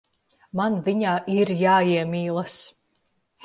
Man viņā ir jāiemīlas.